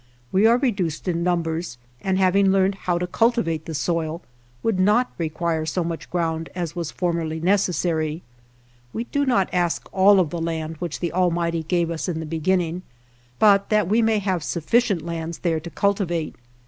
We are reduced in numbers, and having learned how to culti vate the soil would not require so much ground as was formerly necessary. We do not ask all of the land which the Almighty gave us in the beginning, but that we may have sufficient lands there to cultivate.